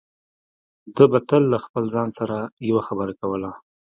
ده به تل له خپل ځان سره يوه خبره کوله.